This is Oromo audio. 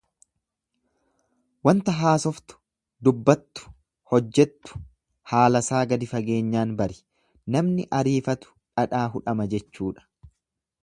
Wanta haasoftu, dubbattu, hojjettu... haalasaa gadi fageenyaan bari, namni ariifatu dhadhaa hudhama jechuudha.